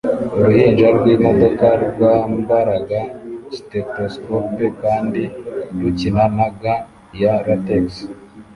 Uruhinja rwimodoka rwambaraga stethoscope kandi rukina na gants ya latex